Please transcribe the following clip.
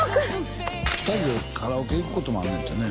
２人でカラオケ行くこともあんねんてね？